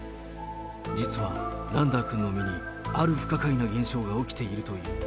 実はランダーくんの髪にある不可解な現象が起きているという。